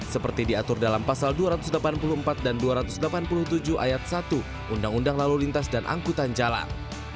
seperti diatur dalam pasal dua ratus delapan puluh empat dan dua ratus delapan puluh tujuh ayat satu undang undang lalu lintas dan angkutan jalan